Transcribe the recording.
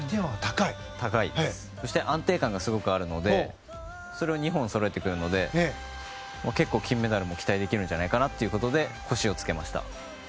そして安定感がすごくあるのでそれを２本そろえてくるので結構、金メダルも期待できるんじゃないかなということで、★をつけました。